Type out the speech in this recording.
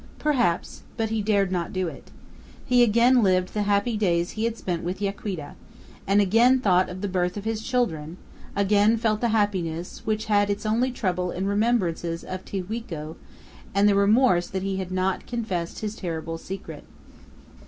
Perhaps; but he dared not do it. He again lived the happy days he had spent with Yaquita, and again thought of the birth of his children, again felt the happiness which had its only trouble in the remembrances of Tijuco and the remorse that he had not confessed his terrible secret.